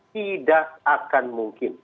tidak akan mungkin